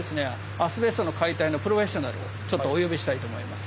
アスベストの解体のプロフェッショナルをちょっとお呼びしたいと思います。